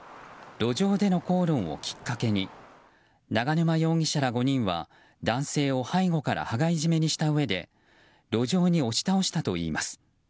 路上での口論をきっかけに永沼容疑者ら５人は男性を背後から羽交い絞めにしたうえで路上に押し倒したといいます。